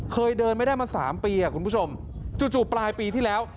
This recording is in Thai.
เคยเดินไม่ได้มา๓ปีคุณผู้ชมจู่ปลายปีที่แล้ว